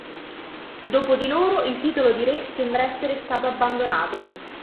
Dopo di loro il titolo di re sembra essere stato abbandonato.